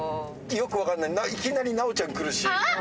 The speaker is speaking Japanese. よく分かんないいきなりナオちゃん来るし。